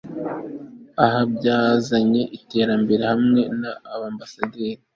aha byazanye iterambere hamwe na ambasaderi